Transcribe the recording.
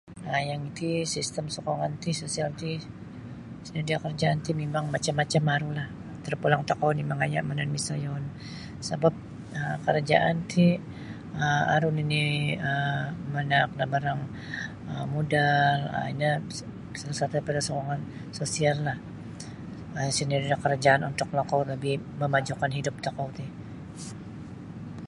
um Yang ti sistem sukungan ti sosial [ti] sinodio karajaan ti mimang macam-macam arulah tarpulang tokou oni mangaya' miyanan miso oyoon sabap um karajaan ti aru um nini' um manaak da barang um modal um ino salah satu daripada sukungan sosiallah um sinodio da karajaan untuk tokou lebih mamaju'kan hidup tokou ti.